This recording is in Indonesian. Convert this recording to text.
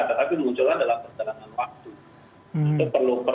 tetapi munculnya dalam perjalanan waktu